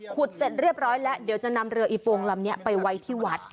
เสร็จเรียบร้อยแล้วเดี๋ยวจะนำเรืออีโปงลำนี้ไปไว้ที่วัด